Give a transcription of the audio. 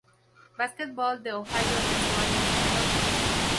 Basketball" de Ohio en su año senior.